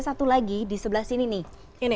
satu lagi di sebelah sini nih ini